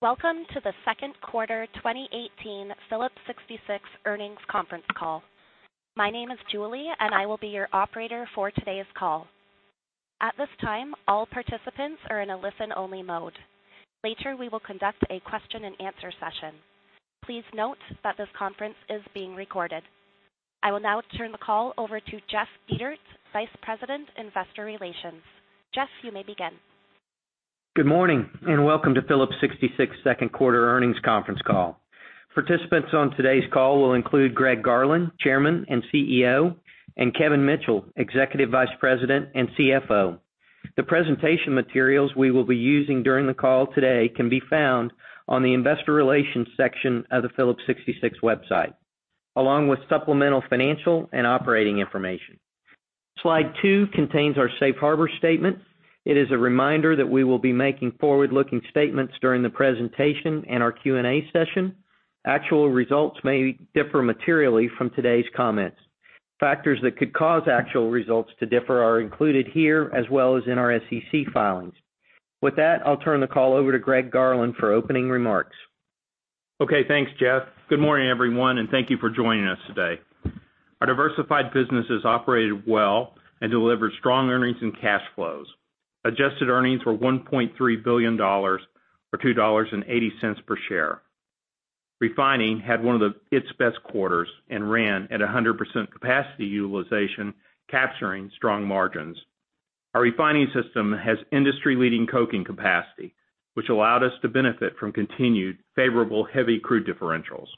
Welcome to the second quarter 2018 Phillips 66 earnings conference call. My name is Julie, and I will be your operator for today's call. At this time, all participants are in a listen-only mode. Later, we will conduct a question and answer session. Please note that this conference is being recorded. I will now turn the call over to Jeff Dietert, Vice President, Investor Relations. Jeff, you may begin. Good morning, and welcome to Phillips 66 second quarter earnings conference call. Participants on today's call will include Greg Garland, Chairman and CEO, and Kevin Mitchell, Executive Vice President and CFO. The presentation materials we will be using during the call today can be found on the investor relations section of the Phillips 66 website, along with supplemental financial and operating information. Slide two contains our safe harbor statement. It is a reminder that we will be making forward-looking statements during the presentation and our Q&A session. Actual results may differ materially from today's comments. Factors that could cause actual results to differ are included here as well as in our SEC filings. With that, I'll turn the call over to Greg Garland for opening remarks. Okay, thanks, Jeff. Good morning, everyone, and thank you for joining us today. Our diversified business has operated well and delivered strong earnings and cash flows. Adjusted earnings were $1.3 billion, or $2.80 per share. Refining had one of its best quarters and ran at 100% capacity utilization, capturing strong margins. Our refining system has industry-leading coking capacity, which allowed us to benefit from continued favorable heavy crude differentials.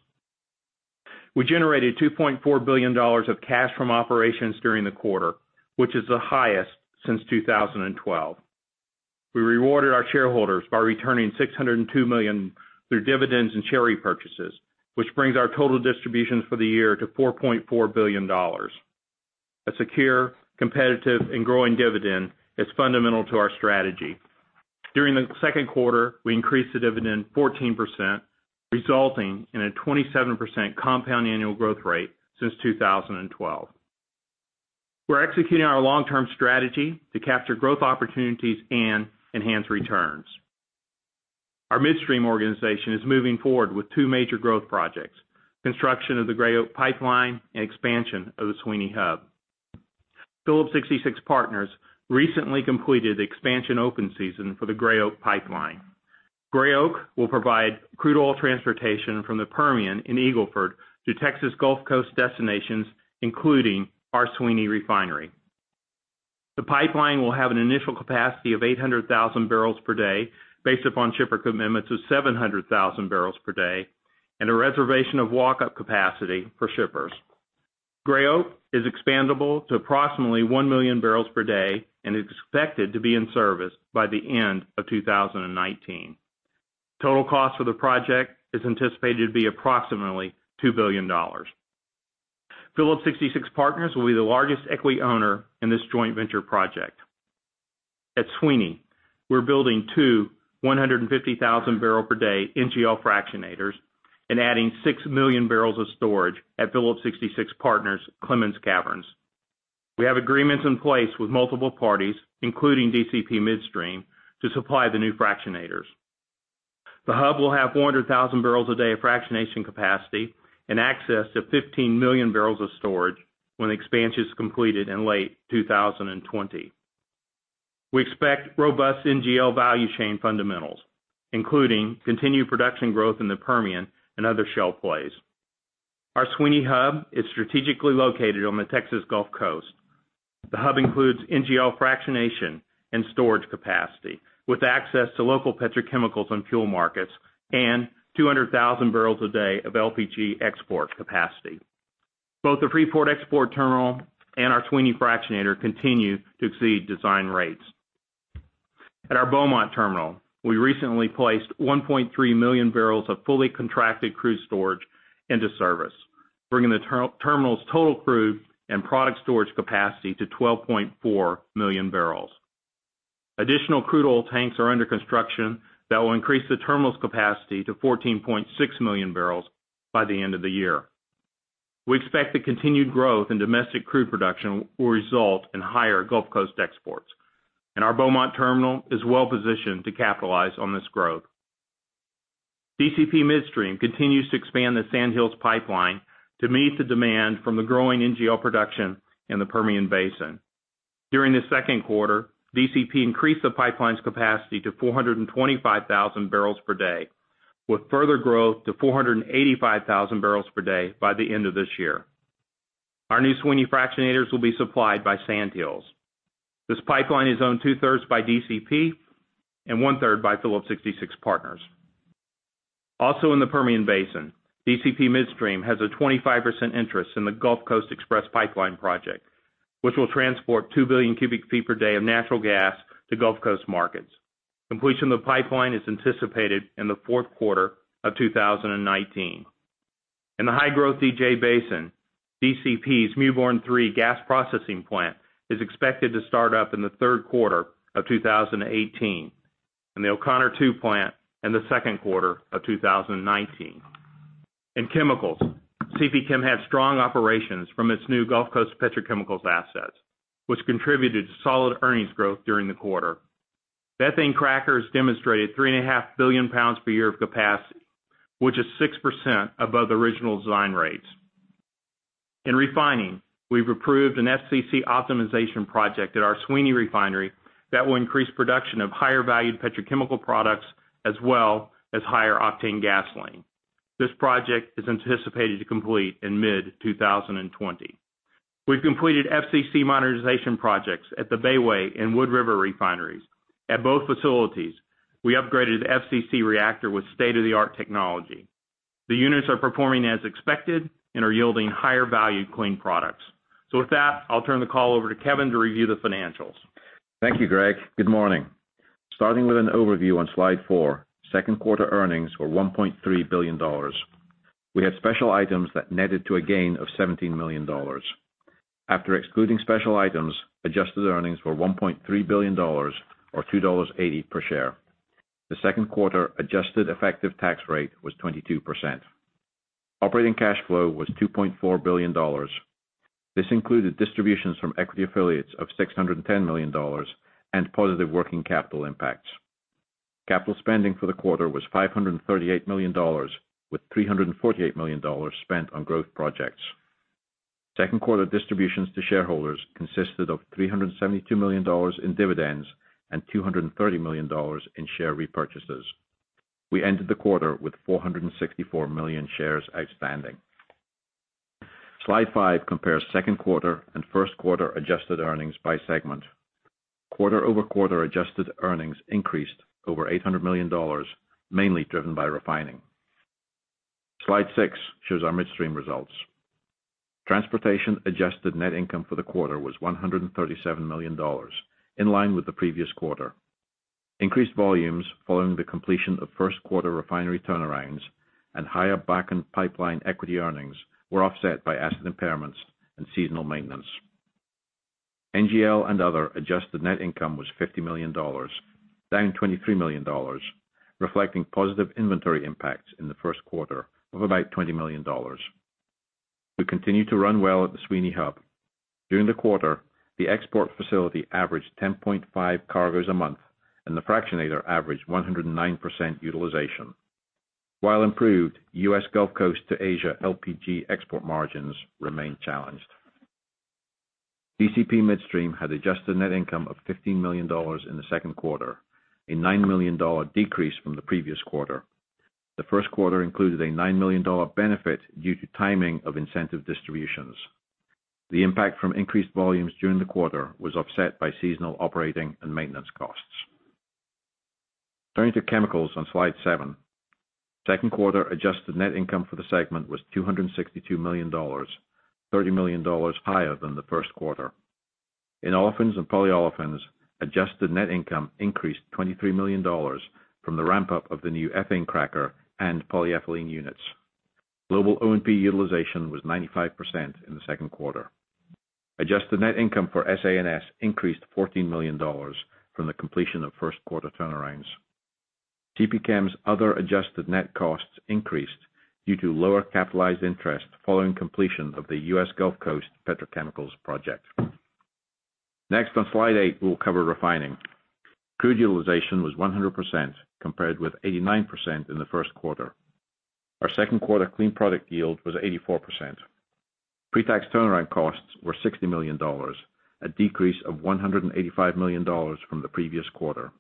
We generated $2.4 billion of cash from operations during the quarter, which is the highest since 2012. We rewarded our shareholders by returning $602 million through dividends and share repurchases, which brings our total distributions for the year to $4.4 billion. A secure, competitive, and growing dividend is fundamental to our strategy. During the second quarter, we increased the dividend 14%, resulting in a 27% compound annual growth rate since 2012. We're executing our long-term strategy to capture growth opportunities and enhance returns. Our midstream organization is moving forward with two major growth projects: construction of the Gray Oak pipeline and expansion of the Sweeny Hub. Phillips 66 Partners recently completed the expansion open season for the Gray Oak pipeline. Gray Oak will provide crude oil transportation from the Permian in Eagle Ford to Texas Gulf Coast destinations, including our Sweeny refinery. The pipeline will have an initial capacity of 800,000 barrels per day based upon shipper commitments of 700,000 barrels per day, and a reservation of walk-up capacity for shippers. Gray Oak is expandable to approximately 1 million barrels per day and is expected to be in service by the end of 2019. Total cost for the project is anticipated to be approximately $2 billion. Phillips 66 Partners will be the largest equity owner in this joint venture project. At Sweeny, we're building two 150,000 barrel per day NGL fractionators and adding 6 million barrels of storage at Phillips 66 Partners' Clemens Caverns. We have agreements in place with multiple parties, including DCP Midstream, to supply the new fractionators. The hub will have 400,000 barrels a day of fractionation capacity and access to 15 million barrels of storage when expansion is completed in late 2020. We expect robust NGL value chain fundamentals, including continued production growth in the Permian and other shale plays. Our Sweeny Hub is strategically located on the Texas Gulf Coast. The hub includes NGL fractionation and storage capacity, with access to local petrochemicals and fuel markets and 200,000 barrels a day of LPG export capacity. Both the Freeport Export Terminal and our Sweeny fractionator continue to exceed design rates. At our Beaumont terminal, we recently placed 1.3 million barrels of fully contracted crude storage into service, bringing the terminal's total crude and product storage capacity to 12.4 million barrels. Additional crude oil tanks are under construction that will increase the terminal's capacity to 14.6 million barrels by the end of the year. We expect the continued growth in domestic crude production will result in higher Gulf Coast exports, and our Beaumont terminal is well positioned to capitalize on this growth. DCP Midstream continues to expand the Sand Hills Pipeline to meet the demand from the growing NGL production in the Permian Basin. During the second quarter, DCP increased the pipeline's capacity to 425,000 barrels per day, with further growth to 485,000 barrels per day by the end of this year. Our new Sweeny fractionators will be supplied by Sand Hills. This pipeline is owned two-thirds by DCP and one-third by Phillips 66 Partners. Also in the Permian Basin, DCP Midstream has a 25% interest in the Gulf Coast Express Pipeline project, which will transport 2 billion cubic feet per day of natural gas to Gulf Coast markets. Completion of the pipeline is anticipated in the fourth quarter of 2019. In the high-growth DJ Basin, DCP's Mewbourn 3 gas processing plant is expected to start up in the third quarter of 2018, and the O'Connor 2 plant in the second quarter of 2019. In chemicals, CPChem had strong operations from its new Gulf Coast Petrochemicals assets, which contributed to solid earnings growth during the quarter. Ethane crackers demonstrated 3.5 billion pounds per year of capacity, which is 6% above original design rates. In refining, we've approved an FCC optimization project at our Sweeny refinery that will increase production of higher valued petrochemical products as well as higher octane gasoline. This project is anticipated to complete in mid-2020. We've completed FCC modernization projects at the Bayway and Wood River refineries. At both facilities, we upgraded FCC reactor with state-of-the-art technology. The units are performing as expected and are yielding higher value clean products. With that, I'll turn the call over to Kevin to review the financials. Thank you, Greg. Good morning. Starting with an overview on slide four, second quarter earnings were $1.3 billion. We had special items that netted to a gain of $17 million. After excluding special items, adjusted earnings were $1.3 billion, or $2.80 per share. The second quarter adjusted effective tax rate was 22%. Operating cash flow was $2.4 billion. This included distributions from equity affiliates of $610 million and positive working capital impacts. Capital spending for the quarter was $538 million, with $348 million spent on growth projects. Second quarter distributions to shareholders consisted of $372 million in dividends and $230 million in share repurchases. We ended the quarter with 464 million shares outstanding. Slide five compares second quarter and first quarter adjusted earnings by segment. Quarter-over-quarter adjusted earnings increased over $800 million, mainly driven by refining. Slide six shows our midstream results. Transportation adjusted net income for the quarter was $137 million, in line with the previous quarter. Increased volumes following the completion of first quarter refinery turnarounds and higher back end pipeline equity earnings were offset by asset impairments and seasonal maintenance. NGL and other adjusted net income was $50 million, down $23 million, reflecting positive inventory impacts in the first quarter of about $20 million. We continue to run well at the Sweeny Hub. During the quarter, the export facility averaged 10.5 cargoes a month, and the fractionator averaged 109% utilization. While improved, U.S. Gulf Coast to Asia LPG export margins remain challenged. DCP Midstream had adjusted net income of $15 million in the second quarter, a $9 million decrease from the previous quarter. The first quarter included a $9 million benefit due to timing of incentive distributions. The impact from increased volumes during the quarter was offset by seasonal operating and maintenance costs. Turning to chemicals on slide seven. Second quarter adjusted net income for the segment was $262 million, $30 million higher than the first quarter. In Olefins and Polyolefins, adjusted net income increased $23 million from the ramp-up of the new ethane cracker and polyethylene units. Global O&P utilization was 95% in the second quarter. Adjusted net income for SA&S increased $14 million from the completion of first quarter turnarounds. CPChem's other adjusted net costs increased due to lower capitalized interest following completion of the U.S. Gulf Coast Petrochemicals Project. Next on slide eight, we'll cover refining. Crude utilization was 100% compared with 89% in the first quarter. Our second quarter clean product yield was 84%. Pre-tax turnaround costs were $60 million, a decrease of $185 million from the previous quarter.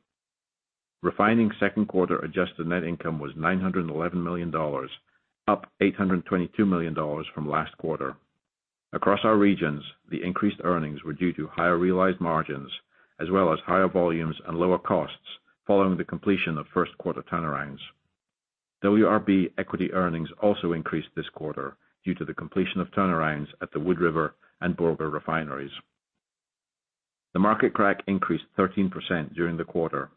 Refining second quarter adjusted net income was $911 million, up $822 million from last quarter. Across our regions, the increased earnings were due to higher realized margins as well as higher volumes and lower costs following the completion of first quarter turnarounds. WRB equity earnings also increased this quarter due to the completion of turnarounds at the Wood River and Borger refineries. The market crack increased 13% during the quarter.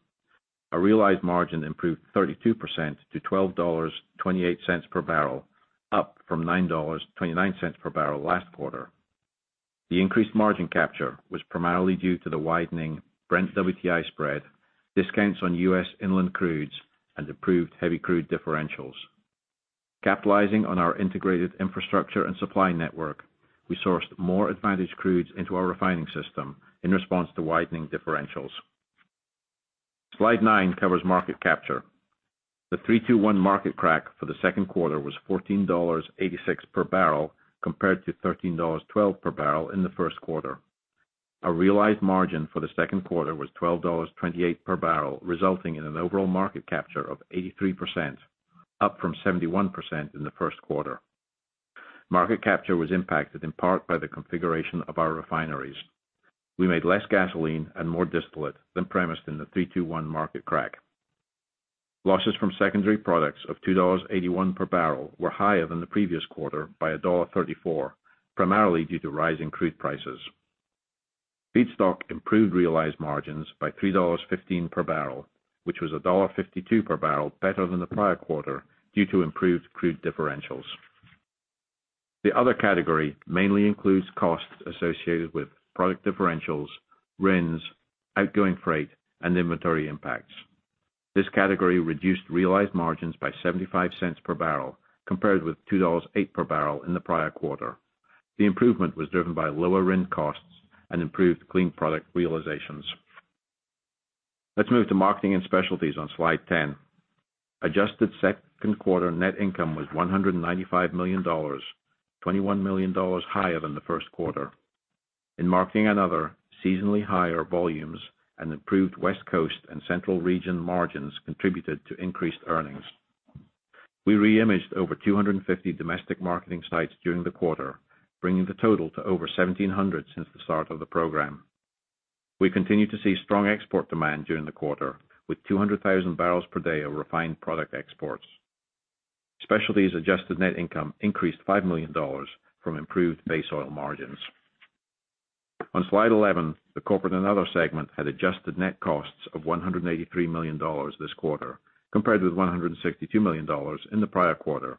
A realized margin improved 32% to $12.28 per barrel, up from $9.29 per barrel last quarter. The increased margin capture was primarily due to the widening Brent WTI spread, discounts on U.S. inland crudes, and improved heavy crude differentials. Capitalizing on our integrated infrastructure and supply network, we sourced more advantaged crudes into our refining system in response to widening differentials. Slide nine covers market capture. The 3-2-1 market crack for the second quarter was $14.86 per barrel compared to $13.12 per barrel in the first quarter. A realized margin for the second quarter was $12.28 per barrel, resulting in an overall market capture of 83%, up from 71% in the first quarter. Market capture was impacted in part by the configuration of our refineries. We made less gasoline and more distillate than premised in the 3-2-1 market crack. Losses from secondary products of $2.81 per barrel were higher than the previous quarter by $1.34, primarily due to rising crude prices. Feedstock improved realized margins by $3.15 per barrel, which was $1.52 per barrel better than the prior quarter due to improved crude differentials. The other category mainly includes costs associated with product differentials, RINs, outgoing freight, and inventory impacts. This category reduced realized margins by $0.75 per barrel, compared with $2.08 per barrel in the prior quarter. The improvement was driven by lower RIN costs and improved clean product realizations. Let's move to marketing and specialties on Slide 10. Adjusted second quarter net income was $195 million, $21 million higher than the first quarter. In marketing and other, seasonally higher volumes and improved West Coast and central region margins contributed to increased earnings. We re-imaged over 250 domestic marketing sites during the quarter, bringing the total to over 1,700 since the start of the program. We continued to see strong export demand during the quarter, with 200,000 barrels per day of refined product exports. Specialties adjusted net income increased $5 million from improved base oil margins. On Slide 11, the corporate and other segment had adjusted net costs of $183 million this quarter, compared with $162 million in the prior quarter.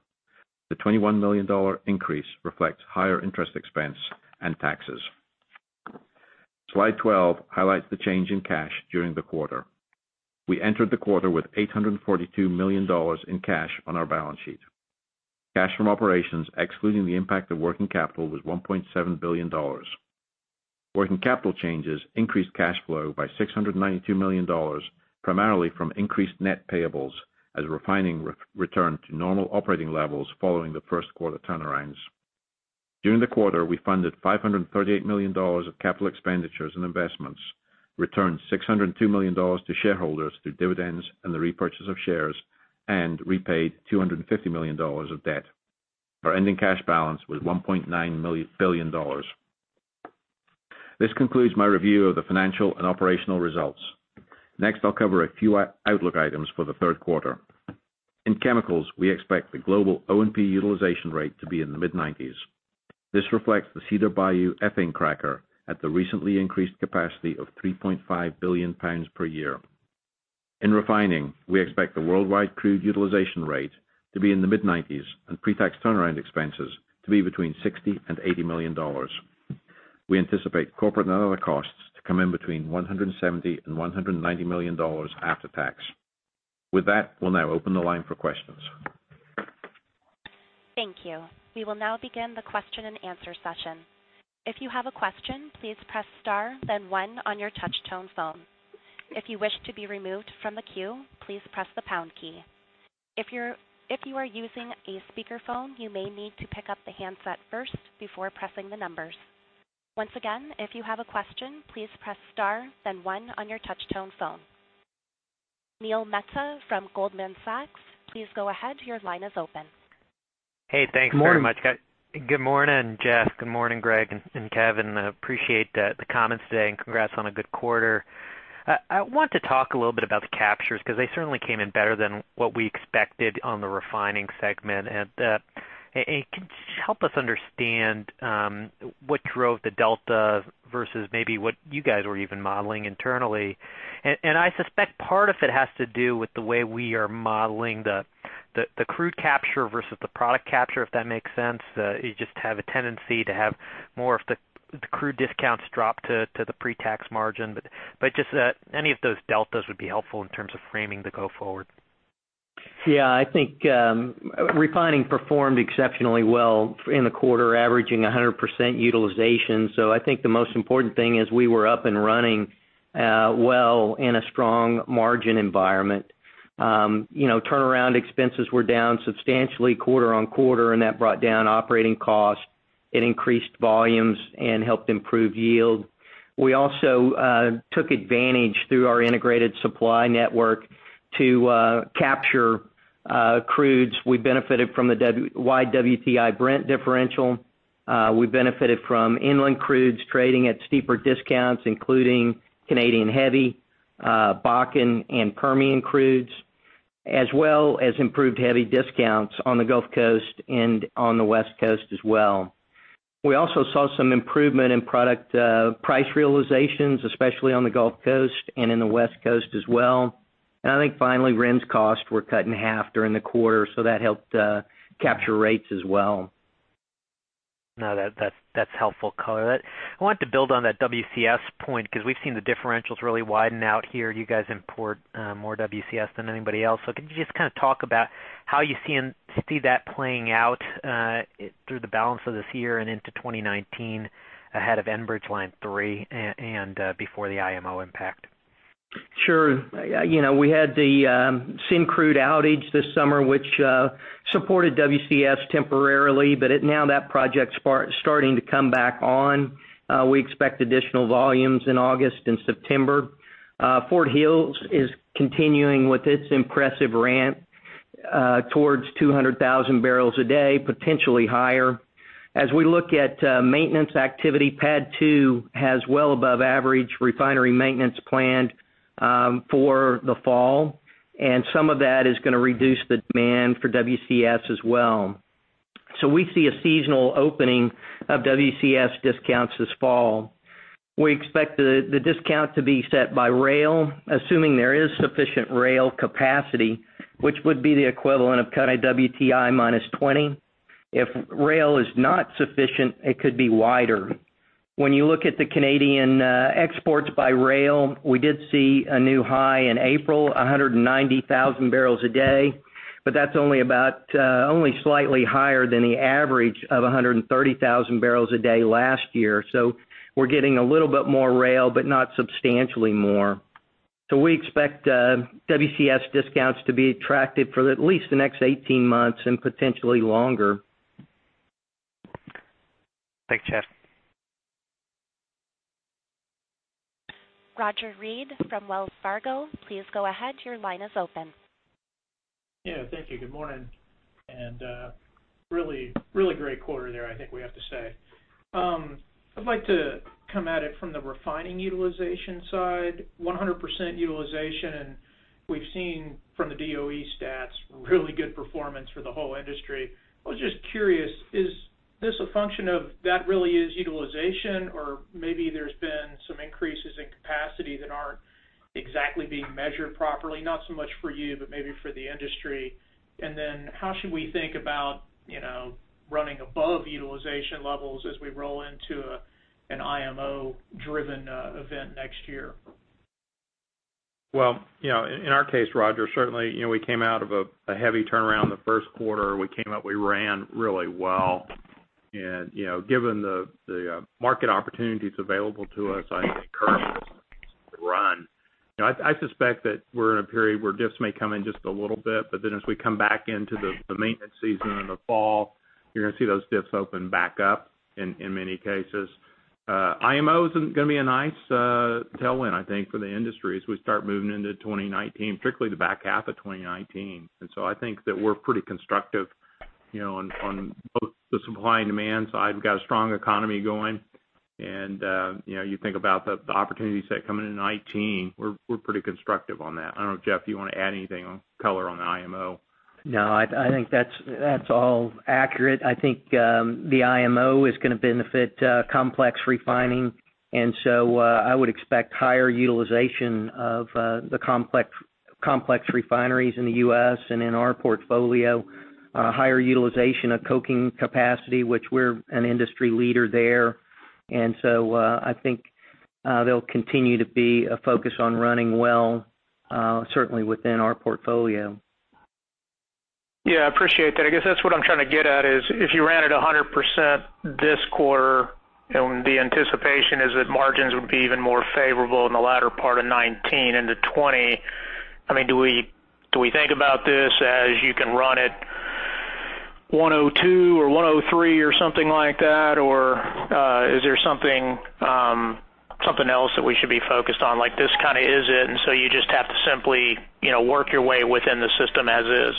The $21 million increase reflects higher interest expense and taxes. Slide 12 highlights the change in cash during the quarter. We entered the quarter with $842 million in cash on our balance sheet. Cash from operations excluding the impact of working capital was $1.7 billion. Working capital changes increased cash flow by $692 million, primarily from increased net payables as refining returned to normal operating levels following the first quarter turnarounds. During the quarter, we funded $538 million of capital expenditures and investments, returned $602 million to shareholders through dividends and the repurchase of shares, and repaid $250 million of debt. Our ending cash balance was $1.9 billion. This concludes my review of the financial and operational results. Next, I'll cover a few outlook items for the third quarter. In chemicals, we expect the global O&P utilization rate to be in the mid-90s. This reflects the Cedar Bayou ethane cracker at the recently increased capacity of 3.5 billion pounds per year. In refining, we expect the worldwide crude utilization rate to be in the mid-90s and pre-tax turnaround expenses to be between $60 million and $80 million. We anticipate corporate and other costs to come in between $170 million and $190 million after tax. With that, we'll now open the line for questions. Thank you. We will now begin the question and answer session. If you have a question, please press star then one on your touch-tone phone. If you wish to be removed from the queue, please press the pound key. If you are using a speakerphone, you may need to pick up the handset first before pressing the numbers. Once again, if you have a question, please press star then one on your touch-tone phone. Neil Mehta from Goldman Sachs, please go ahead. Your line is open. Hey, thanks very much, guys. Morning. Good morning, Jeff. Good morning, Greg and Kevin. Appreciate the comments today. Congrats on a good quarter. I want to talk a little bit about the captures, because they certainly came in better than what we expected on the refining segment. Can you help us understand what drove the delta versus maybe what you guys were even modeling internally? I suspect part of it has to do with the way we are modeling the crude capture versus the product capture, if that makes sense. You just have a tendency to have more of the crude discounts drop to the pre-tax margin. Just any of those deltas would be helpful in terms of framing the go forward. I think refining performed exceptionally well in the quarter, averaging 100% utilization. I think the most important thing is we were up and running well in a strong margin environment. Turnaround expenses were down substantially quarter-on-quarter. That brought down operating costs. It increased volumes and helped improve yield. We also took advantage through our integrated supply network to capture crudes. We benefited from the wide WTI Brent differential. We benefited from inland crudes trading at steeper discounts, including Canadian heavy, Bakken, and Permian crudes, as well as improved heavy discounts on the Gulf Coast and on the West Coast as well. I think finally, RINs costs were cut in half during the quarter. That helped capture rates as well. No, that's helpful color. I want to build on that WCS point because we've seen the differentials really widen out here. You guys import more WCS than anybody else. Can you just talk about how you see that playing out through the balance of this year and into 2019 ahead of Enbridge Line 3 and before the IMO impact? Sure. We had the Syncrude outage this summer, which supported WCS temporarily, but now that project's starting to come back on. We expect additional volumes in August and September. Fort Hills is continuing with its impressive ramp towards 200,000 barrels a day, potentially higher. As we look at maintenance activity, PADD 2 has well above average refinery maintenance planned for the fall, and some of that is going to reduce the demand for WCS as well. We see a seasonal opening of WCS discounts this fall. We expect the discount to be set by rail, assuming there is sufficient rail capacity, which would be the equivalent of Canadian WTI minus 20. If rail is not sufficient, it could be wider. When you look at the Canadian exports by rail, we did see a new high in April, 190,000 barrels a day, but that's only slightly higher than the average of 130,000 barrels a day last year. We're getting a little bit more rail, but not substantially more. We expect WCS discounts to be attractive for at least the next 18 months, and potentially longer. Thanks, Jeff. Roger Read from Wells Fargo, please go ahead. Your line is open. Yeah, thank you. Good morning. Really great quarter there, I think we have to say. I'd like to come at it from the refining utilization side. 100% utilization. We've seen from the DOE stats really good performance for the whole industry. I was just curious, is this a function of that really is utilization or maybe there's been some increases in capacity that aren't exactly being measured properly, not so much for you, but maybe for the industry? How should we think about running above utilization levels as we roll into an IMO-driven event next year? Well, in our case, Roger, certainly, we came out of a heavy turnaround the first quarter. We came out, we ran really well. Given the market opportunities available to us, I encourage us to run. I suspect that we're in a period where dips may come in just a little bit. As we come back into the maintenance season in the fall, you're going to see those dips open back up in many cases. IMO is going to be a nice tailwind, I think, for the industry as we start moving into 2019, particularly the back half of 2019. I think that we're pretty constructive on both the supply and demand side. We've got a strong economy going. You think about the opportunities that come into 2019, we're pretty constructive on that. I don't know, Jeff, you want to add anything on color on the IMO? No, I think that's all accurate. I think the IMO is going to benefit complex refining. I would expect higher utilization of the complex refineries in the U.S. and in our portfolio. Higher utilization of coking capacity, which we're an industry leader there. I think there'll continue to be a focus on running well, certainly within our portfolio. Yeah, I appreciate that. I guess that's what I'm trying to get at is, if you ran at 100% this quarter, and the anticipation is that margins would be even more favorable in the latter part of 2019 into 2020. I mean, do we think about this as you can run it 102 or 103 or something like that? Or is there something else that we should be focused on? Like this kind of is it, you just have to simply work your way within the system as is.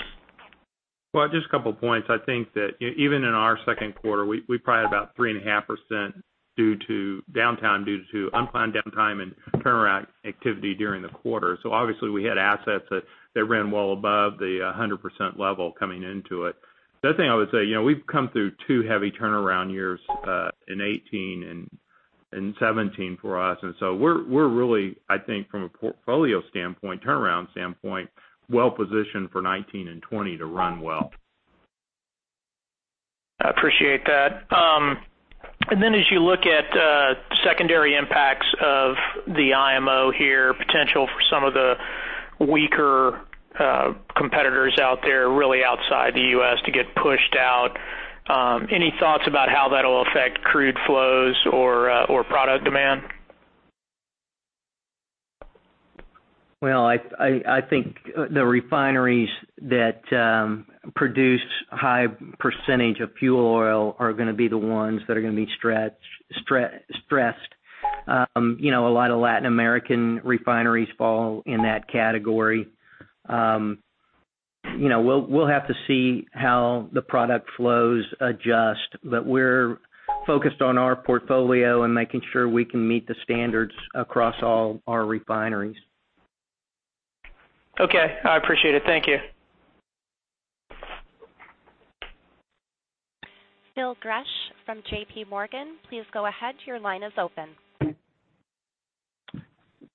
Well, just a couple of points. I think that even in our second quarter, we probably about 3.5% due to downtime due to unplanned downtime and turnaround activity during the quarter. We had assets that ran well above the 100% level coming into it. The other thing I would say, we've come through two heavy turnaround years, in 2018 and 2017 for us. We're really, I think from a portfolio standpoint, turnaround standpoint, well positioned for 2019 and 2020 to run well. I appreciate that. As you look at secondary impacts of the IMO here, potential for some of the weaker competitors out there, really outside the U.S. to get pushed out, any thoughts about how that'll affect crude flows or product demand? Well, I think the refineries that produce high percentage of fuel oil are going to be the ones that are going to be stressed. A lot of Latin American refineries fall in that category. We'll have to see how the product flows adjust, but we're focused on our portfolio and making sure we can meet the standards across all our refineries. Okay. I appreciate it. Thank you. Phil Gresh from JPMorgan. Please go ahead. Your line is open.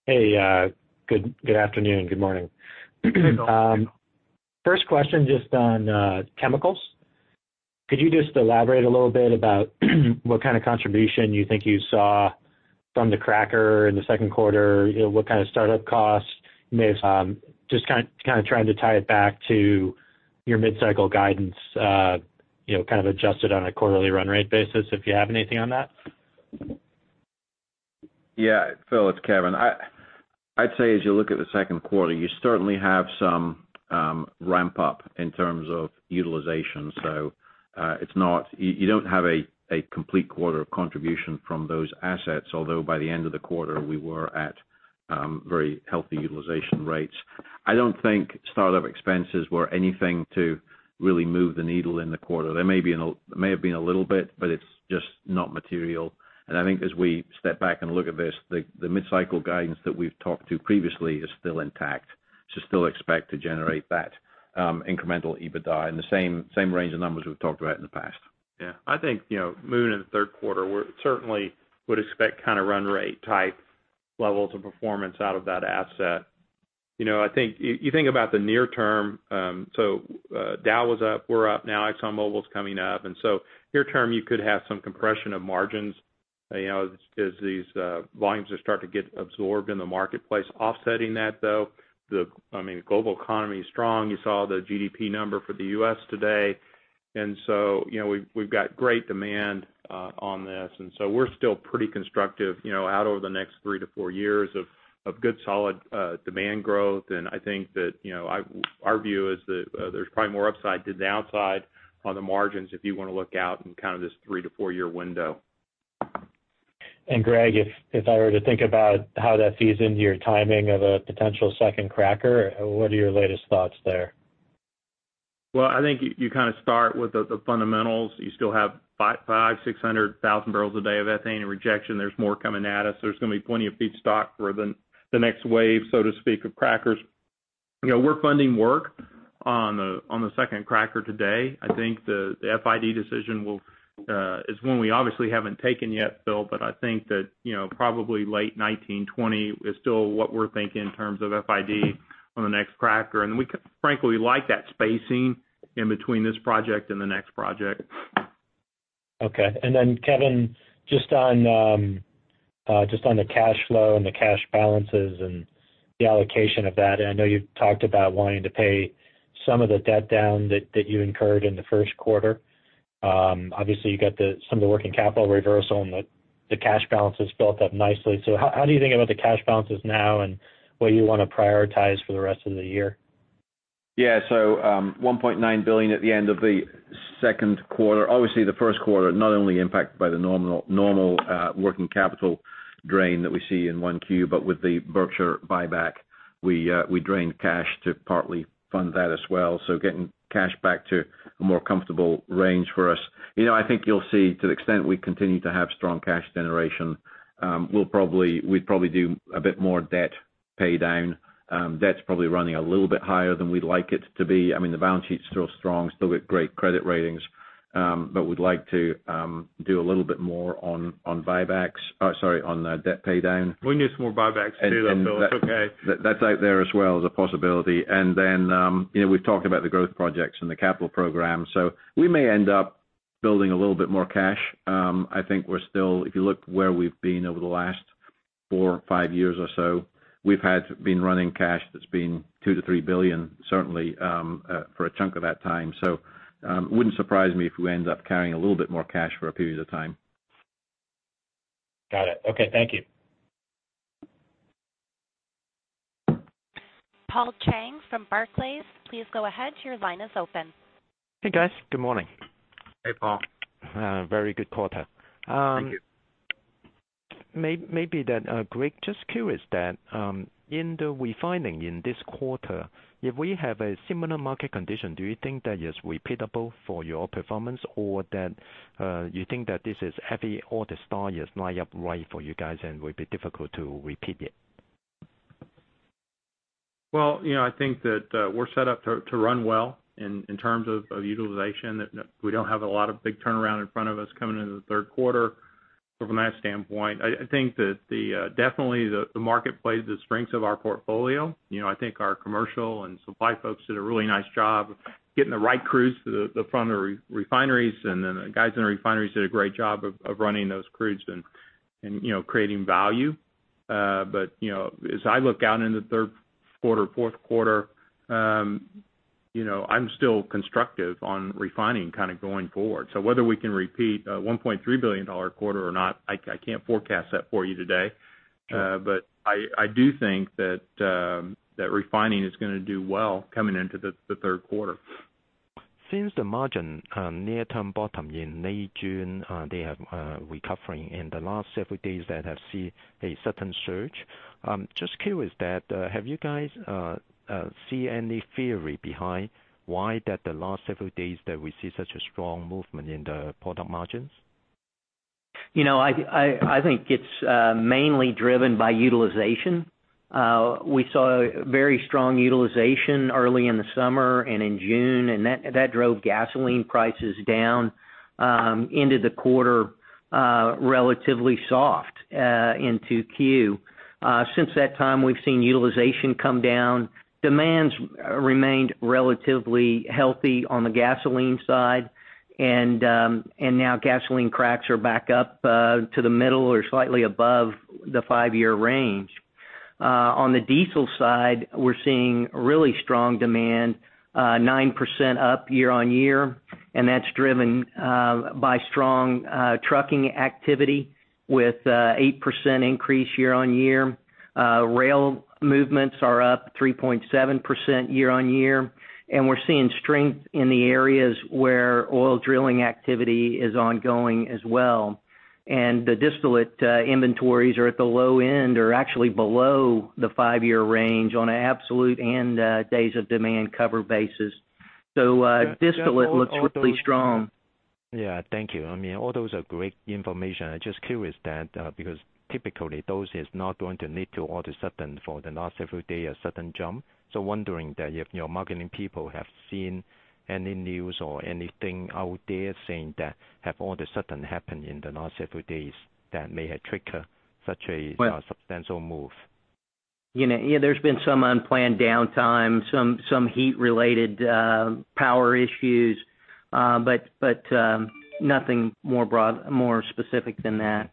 Hey, good afternoon, good morning. Good afternoon, Phil. First question just on chemicals. Could you elaborate a little bit about what kind of contribution you think you saw from the cracker in the second quarter? What kind of startup costs you may have? Just kind of trying to tie it back to your mid-cycle guidance, kind of adjusted on a quarterly run rate basis, if you have anything on that. Yeah. Phil, it's Kevin. I'd say as you look at the second quarter, you certainly have some ramp-up in terms of utilization. You don't have a complete quarter of contribution from those assets, although by the end of the quarter, we were at very healthy utilization rates. I don't think startup expenses were anything to really move the needle in the quarter. There may have been a little bit, but it's just not material. I think as we step back and look at this, the mid-cycle guidance that we've talked to previously is still intact. Still expect to generate that incremental EBITDA in the same range of numbers we've talked about in the past. Yeah. I think, Phil, in the third quarter, we certainly would expect kind of run rate type levels of performance out of that asset. I think, you think about the near term, Dow was up. We're up now. ExxonMobil's coming up. Near term, you could have some compression of margins, as these volumes start to get absorbed in the marketplace. Offsetting that, though, the global economy is strong. You saw the GDP number for the U.S. today. We've got great demand on this. We're still pretty constructive, out over the next 3 to 4 years of good, solid demand growth. I think that our view is that there's probably more upside to the downside on the margins if you want to look out in kind of this 3- to 4-year window. Greg, if I were to think about how that feeds into your timing of a potential second cracker, what are your latest thoughts there? I think you kind of start with the fundamentals. You still have 500,000, 600,000 barrels a day of ethane and rejection. There's more coming at us. There's going to be plenty of feedstock for the next wave, so to speak, of crackers. We're funding work on the second cracker today. I think the FID decision is one we obviously haven't taken yet, Phil, but I think that probably late 2019, 2020 is still what we're thinking in terms of FID on the next cracker. We frankly like that spacing in between this project and the next project. Okay. Kevin, just on the cash flow and the cash balances and the allocation of that. I know you've talked about wanting to pay some of the debt down that you incurred in the first quarter. Obviously, you got some of the working capital reversal, and the cash balances built up nicely. How are you thinking about the cash balances now and what you want to prioritize for the rest of the year? Yeah. $1.9 billion at the end of the second quarter. Obviously, the first quarter, not only impacted by the normal working capital drain that we see in 1Q, but with the Berkshire buyback. We drained cash to partly fund that as well, getting cash back to a more comfortable range for us. I think you'll see to the extent we continue to have strong cash generation, we'd probably do a bit more debt paydown. Debt's probably running a little bit higher than we'd like it to be. The balance sheet's still strong, still got great credit ratings. We'd like to do a little bit more on debt paydown. We need some more buybacks too, though, Phil. It's okay. That's out there as well as a possibility. We've talked about the growth projects and the capital program. We may end up building a little bit more cash. I think we're still, if you look where we've been over the last four or five years or so, we've been running cash that's been $2 billion to $3 billion, certainly, for a chunk of that time. It wouldn't surprise me if we end up carrying a little bit more cash for a period of time. Got it. Okay. Thank you. Paul Cheng from Barclays, please go ahead. Your line is open. Hey, guys. Good morning. Hey, Paul. Very good quarter. Thank you. Greg, just curious, in the refining in this quarter, if we have a similar market condition, do you think that is repeatable for your performance, or that you think that this is heavy or the stars aligned right for you guys and will be difficult to repeat it? I think that we're set up to run well in terms of utilization. We don't have a lot of big turnaround in front of us coming into the third quarter from that standpoint. I think that definitely the marketplace has strengths of our portfolio. I think our commercial and supply folks did a really nice job of getting the right crews to the front of the refineries, and the guys in the refineries did a great job of running those crews and creating value. As I look out into third quarter, fourth quarter, I'm still constructive on refining kind of going forward. Whether we can repeat a $1.3 billion quarter or not, I can't forecast that for you today. Sure. I do think that refining is going to do well coming into the third quarter. Since the margin near-term bottom in late June, they are recovering in the last several days that I've seen a certain surge. Just curious that, have you guys see any theory behind why that the last several days that we see such a strong movement in the product margins? I think it's mainly driven by utilization. We saw very strong utilization early in the summer and in June, and that drove gasoline prices down into the quarter relatively soft into Q. Since that time, we've seen utilization come down. Demand's remained relatively healthy on the gasoline side, and now gasoline cracks are back up to the middle or slightly above the five-year range. On the diesel side, we're seeing really strong demand, 9% up year-on-year, and that's driven by strong trucking activity with 8% increase year-on-year. Rail movements are up 3.7% year-on-year, and we're seeing strength in the areas where oil drilling activity is ongoing as well. The distillate inventories are at the low end or actually below the five-year range on an absolute and days of demand cover basis. Distillate looks really strong. Yeah. Thank you. All those are great information. I'm just curious that, because typically those is not going to lead to all the sudden for the last several day, a sudden jump. Wondering that if your marketing people have seen any news or anything out there saying that have all the sudden happened in the last several days that may have trigger such a- Well- -substantial move. Yeah. There has been some unplanned downtime, some heat-related power issues, but nothing more specific than that.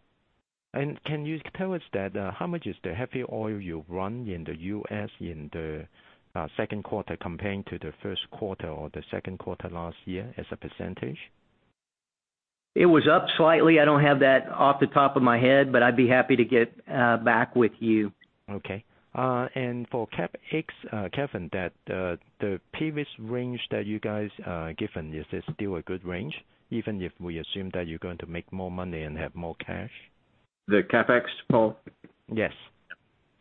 Can you tell us that how much is the heavy oil you run in the U.S. in the second quarter comparing to the first quarter or the second quarter last year as a %? It was up slightly. I don't have that off the top of my head, but I'd be happy to get back with you. Okay. For CapEx, Kevin, that the previous range that you guys given, is this still a good range, even if we assume that you're going to make more money and have more cash? The CapEx, Paul? Yes.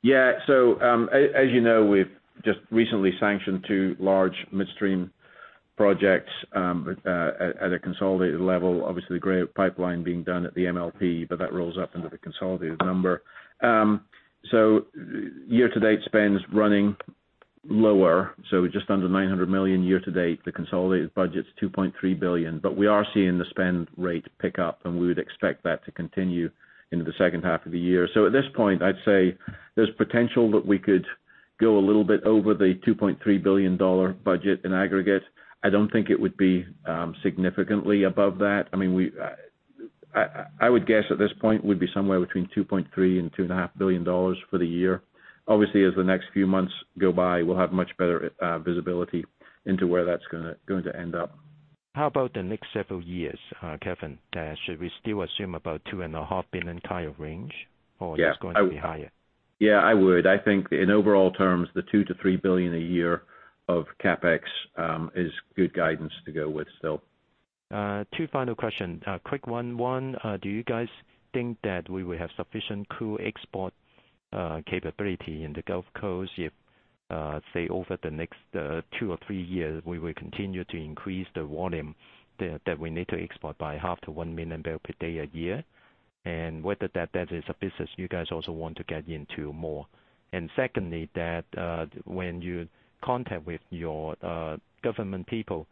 Yeah. As you know, we've just recently sanctioned two large midstream projects, at a consolidated level. Obviously, the Gray Oak Pipeline being done at the MLP, but that rolls up into the consolidated number. Year-to-date spend is running lower, just under $900 million year to date. The consolidated budget's $2.3 billion. We are seeing the spend rate pick up, and we would expect that to continue into the second half of the year. At this point, I'd say there's potential that we could go a little bit over the $2.3 billion budget in aggregate. I don't think it would be significantly above that. I would guess at this point would be somewhere between $2.3 billion-$2.5 billion for the year. Obviously, as the next few months go by, we'll have much better visibility into where that's going to end up. How about the next several years, Kevin? Should we still assume about two and a half billion kind of range? Yeah. It's going to be higher? Yeah, I would. I think in overall terms, the $2 billion-$3 billion a year of CapEx is good guidance to go with still. Two final questions. Quick one. One, do you guys think that we will have sufficient crude export capability in the Gulf Coast if, say, over the next two or three years, we will continue to increase the volume that we need to export by half to 1 million barrel per day a year? Whether that is a business you guys also want to get into more. Secondly, that when you contact with your government people,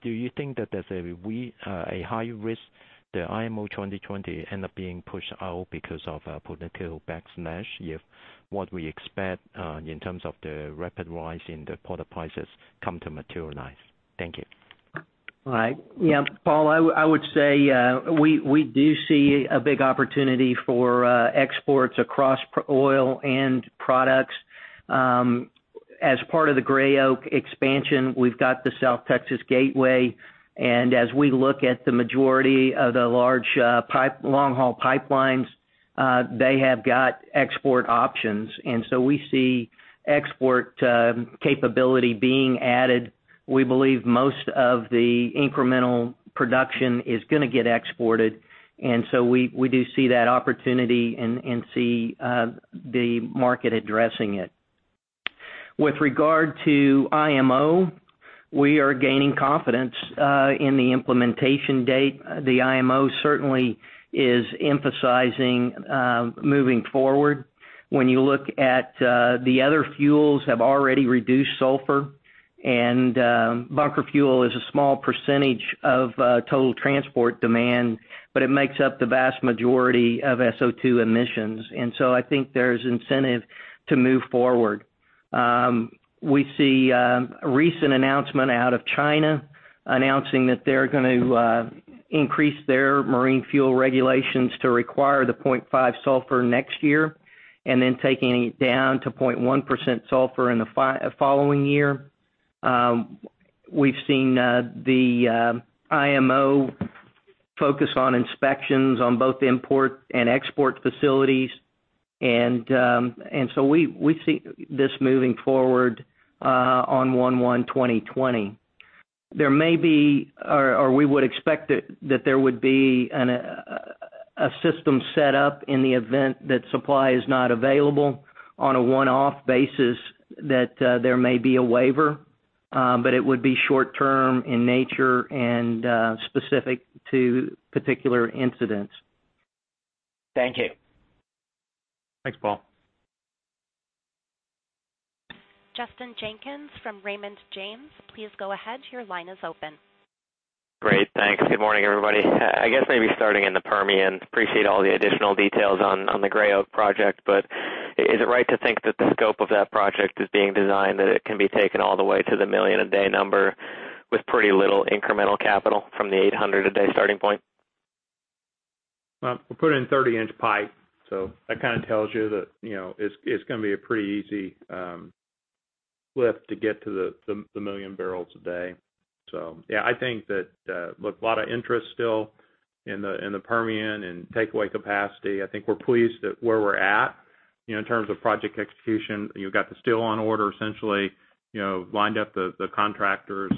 do you think that there's a high risk that IMO 2020 end up being pushed out because of a potential backlash if what we expect in terms of the rapid rise in the product prices come to materialize? Thank you. All right. Yeah, Paul, I would say, we do see a big opportunity for exports across oil and products. As part of the Gray Oak expansion, we've got the South Texas Gateway, as we look at the majority of the large long-haul pipelines, they have got export options. We see export capability being added. We believe most of the incremental production is going to get exported, we do see that opportunity and see the market addressing it. With regard to IMO, we are gaining confidence in the implementation date. The IMO certainly is emphasizing moving forward. When you look at the other fuels have already reduced sulfur, bunker fuel is a small percentage of total transport demand, but it makes up the vast majority of SO2 emissions. I think there's incentive to move forward. We see a recent announcement out of China announcing that they're going to increase their marine fuel regulations to require the 0.5 sulfur next year, then taking it down to 0.1% sulfur in the following year. We've seen the IMO focus on inspections on both import and export facilities. We see this moving forward on 01/01/2020. There may be, or we would expect that there would be a system set up in the event that supply is not available on a one-off basis, that there may be a waiver. It would be short-term in nature and specific to particular incidents. Thank you. Thanks, Paul. Justin Jenkins from Raymond James, please go ahead. Your line is open. Great. Thanks. Good morning, everybody. I guess maybe starting in the Permian. Appreciate all the additional details on the Gray Oak pipeline project, is it right to think that the scope of that project is being designed that it can be taken all the way to the 1 million a day number with pretty little incremental capital from the 800 a day starting point? We put in 30-inch pipe, that kind of tells you that it's going to be a pretty easy lift to get to the 1 million barrels a day. I think that, look, a lot of interest still in the Permian and takeaway capacity. I think we're pleased at where we're at in terms of project execution. You've got the steel on order essentially, lined up the contractors,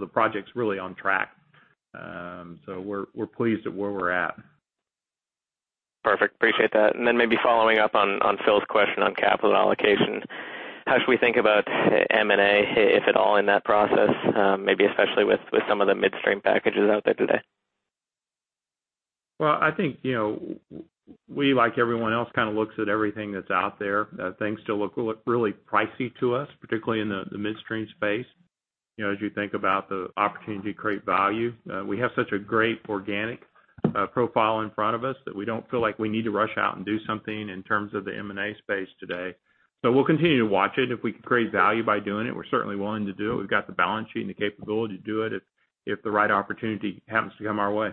the project's really on track. We're pleased at where we're at. Perfect. Appreciate that. Maybe following up on Phil's question on capital allocation, how should we think about M&A, if at all, in that process? Maybe especially with some of the midstream packages out there today. I think, we, like everyone else, looks at everything that's out there. Things still look really pricey to us, particularly in the midstream space. As you think about the opportunity to create value, we have such a great organic profile in front of us that we don't feel like we need to rush out and do something in terms of the M&A space today. We'll continue to watch it. If we can create value by doing it, we're certainly willing to do it. We've got the balance sheet and the capability to do it if the right opportunity happens to come our way.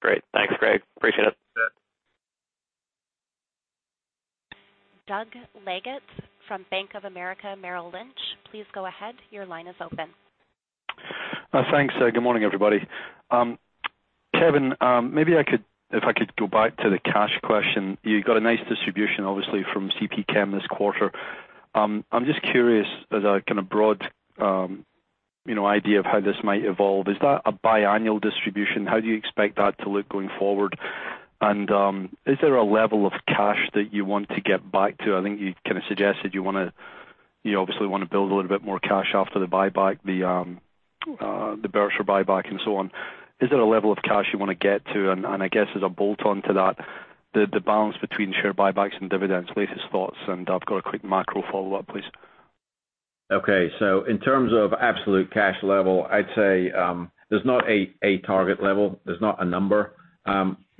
Great. Thanks, Greg. Appreciate it. You bet. Doug Leggate from Bank of America, Merrill Lynch. Please go ahead. Your line is open. Thanks. Good morning, everybody. Kevin, maybe if I could go back to the cash question. You got a nice distribution, obviously, from CPChem this quarter. I'm just curious, as a kind of broad idea of how this might evolve, is that a biannual distribution? How do you expect that to look going forward? Is there a level of cash that you want to get back to? I think you kind of suggested you obviously want to build a little bit more cash after the Berkshire buyback and so on. Is there a level of cash you want to get to? I guess as a bolt-on to that, the balance between share buybacks and dividends, latest thoughts, and I've got a quick macro follow-up, please. I'd say there's not a target level. There's not a number.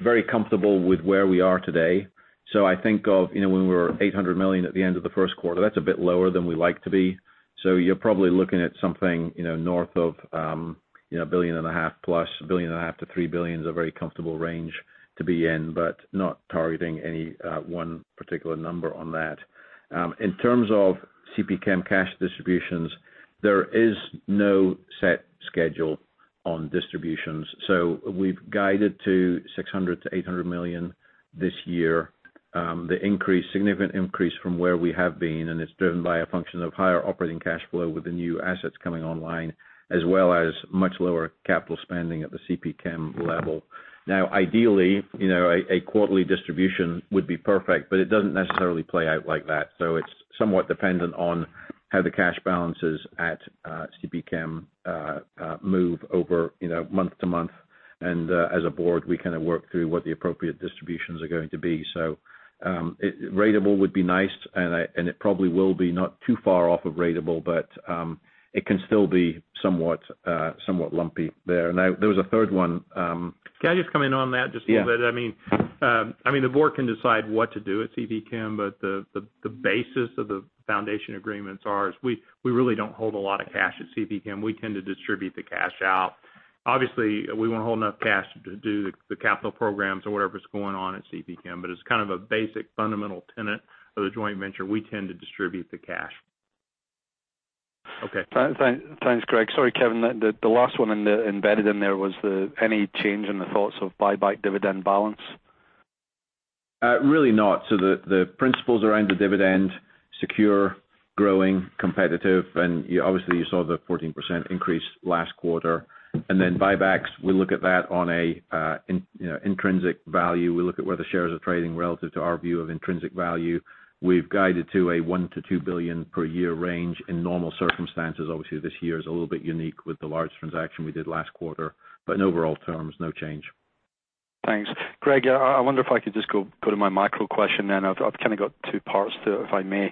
Very comfortable with where we are today. I think of when we were $800 million at the end of the first quarter, that's a bit lower than we like to be. You're probably looking at something north of $1.5 billion plus. $1.5 billion-$3 billion is a very comfortable range to be in, not targeting any one particular number on that. In terms of CPChem cash distributions, there is no set schedule on distributions. We've guided to $600 million-$800 million this year. The significant increase from where we have been, it's driven by a function of higher operating cash flow with the new assets coming online, as well as much lower capital spending at the CPChem level. Ideally, a quarterly distribution would be perfect, it doesn't necessarily play out like that. It's somewhat dependent on how the cash balances at CPChem move over month to month. As a board, we kind of work through what the appropriate distributions are going to be. Ratable would be nice, it probably will be not too far off of ratable, it can still be somewhat lumpy there. There was a third one- Can I just come in on that just a little? Yeah. The board can decide what to do at CPChem, the basis of the foundation agreements are we really don't hold a lot of cash at CPChem. We tend to distribute the cash out. Obviously, we want to hold enough cash to do the capital programs or whatever's going on at CPChem. As kind of a basic fundamental tenet of the joint venture, we tend to distribute the cash. Okay. Thanks, Greg. Sorry, Kevin. The last one embedded in there was any change in the thoughts of buyback dividend balance? Really not. The principles around the dividend, secure, growing, competitive, and obviously you saw the 14% increase last quarter. Buybacks, we look at that on a intrinsic value. We look at where the shares are trading relative to our view of intrinsic value. We've guided to a $1 billion-$2 billion per year range in normal circumstances. Obviously, this year is a little bit unique with the large transaction we did last quarter. In overall terms, no change. Thanks. Greg, I wonder if I could just go to my macro question then. I've kind of got two parts to it, if I may.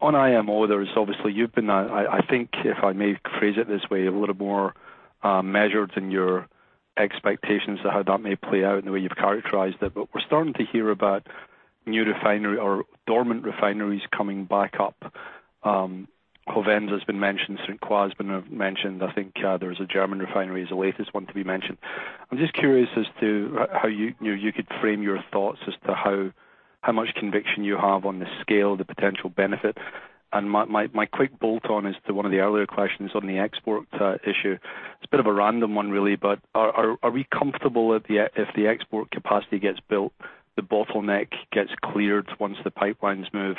On IMO, there is obviously, you've been, I think if I may phrase it this way, a little more measured in your expectations of how that may play out and the way you've characterized it. We're starting to hear about new refinery or dormant refineries coming back up. Hovensa has been mentioned, St. Croix has been mentioned. I think there's a German refinery is the latest one to be mentioned. I'm just curious as to how you could frame your thoughts as to how much conviction you have on the scale, the potential benefit. My quick bolt-on is to one of the earlier questions on the export issue. It's a bit of a random one really. Are we comfortable if the export capacity gets built, the bottleneck gets cleared once the pipelines move?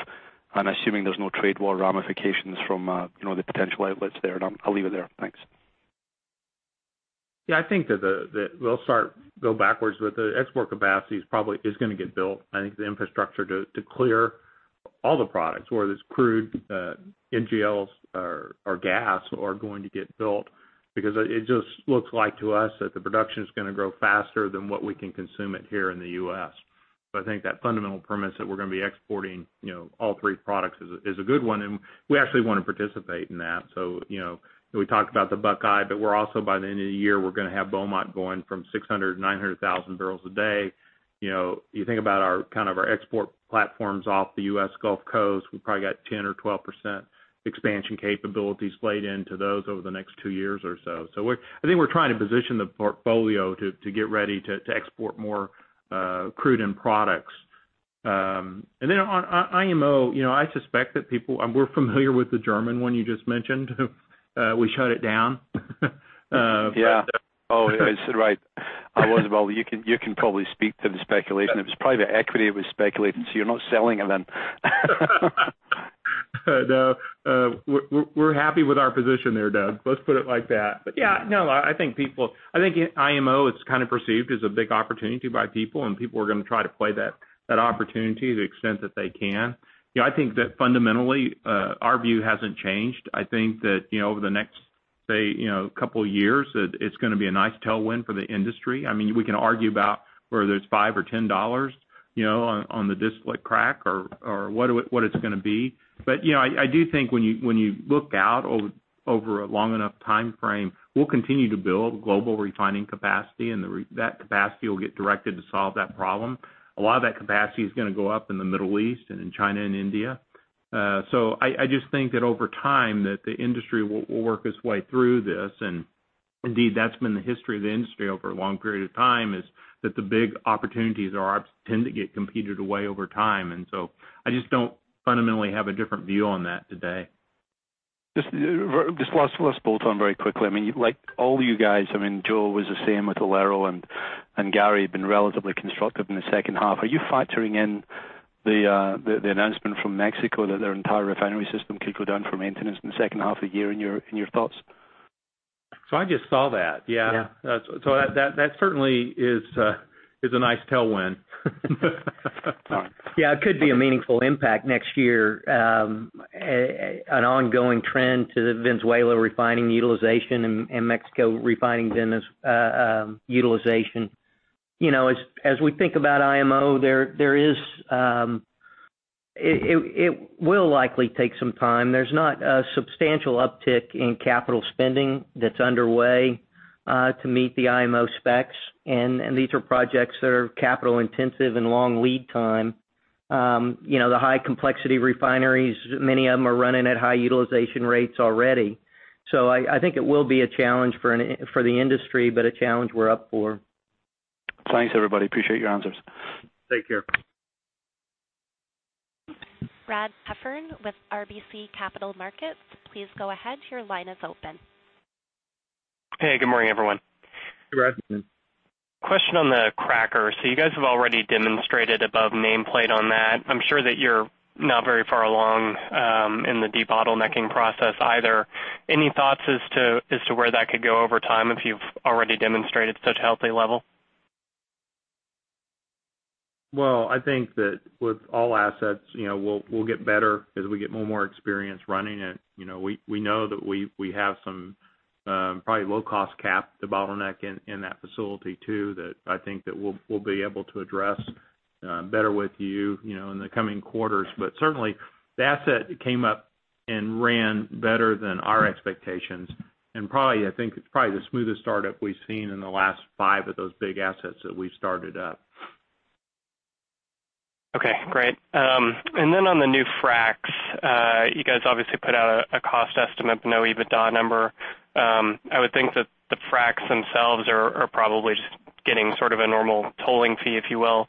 I'm assuming there's no trade war ramifications from the potential outlets there. I'll leave it there. Thanks. I think that we'll start go backwards with the export capacity is going to get built. I think the infrastructure to clear all the products, whether it's crude, NGLs or gas, are going to get built because it just looks like to us that the production's going to grow faster than what we can consume it here in the U.S. I think that fundamental premise that we're going to be exporting all three products is a good one, and we actually want to participate in that. We talked about the Buckeye, but we're also by the end of the year, we're going to have Beaumont going from 600 to 900,000 barrels a day. Think about our export platforms off the U.S. Gulf Coast, we probably got 10 or 12% expansion capabilities played into those over the next 2 years or so. I think we're trying to position the portfolio to get ready to export more crude and products. On IMO, I suspect that we're familiar with the German one you just mentioned. We shut it down. Yeah. Oh, right. Well, you can probably speak to the speculation. It was private equity that was speculating, you're not selling. We're happy with our position there, Doug. Let's put it like that. I think IMO is kind of perceived as a big opportunity by people, and people are going to try to play that opportunity to the extent that they can. I think that fundamentally, our view hasn't changed. I think that over the next 2 years, it's going to be a nice tailwind for the industry. We can argue about whether it's $5 or $10 on the crack spread or what it's going to be. I do think when you look out over a long enough timeframe, we'll continue to build global refining capacity, and that capacity will get directed to solve that problem. A lot of that capacity is going to go up in the Middle East and in China and India. I just think that over time that the industry will work its way through this, and indeed, that's been the history of the industry over a long period of time, is that the big opportunities tend to get competed away over time. I just don't fundamentally have a different view on that today. Just last bolt-on very quickly. All you guys, Joe was the same with Valero, and Gary had been relatively constructive in the second half. Are you factoring in the announcement from Mexico that their entire refinery system could go down for maintenance in the second half of the year in your thoughts? I just saw that. Yeah. Yeah. That certainly is a nice tailwind. All right. Yeah, it could be a meaningful impact next year. An ongoing trend to the Venezuela refining utilization and Mexico refining utilization. As we think about IMO, it will likely take some time. There is not a substantial uptick in capital spending that is underway to meet the IMO specs, and these are projects that are capital-intensive and long lead time. The high complexity refineries, many of them are running at high utilization rates already. I think it will be a challenge for the industry, but a challenge we are up for. Thanks, everybody. Appreciate your answers. Take care. Brad Heffern with RBC Capital Markets. Please go ahead. Your line is open. Hey, good morning, everyone. Hey, Brad. Question on the cracker. You guys have already demonstrated above nameplate on that. I'm sure that you're not very far along in the debottlenecking process either. Any thoughts as to where that could go over time if you've already demonstrated such healthy level? Well, I think that with all assets, we'll get better as we get more and more experience running it. We know that we have some probably low-cost CapEx to debottleneck in that facility too, that I think that we'll be able to address better with you in the coming quarters. Certainly, the asset came up and ran better than our expectations. Probably, I think it's probably the smoothest startup we've seen in the last five of those big assets that we've started up. Okay, great. On the new fracs, you guys obviously put out a cost estimate, but no EBITDA number. I would think that the fracs themselves are probably just getting sort of a normal tolling fee, if you will.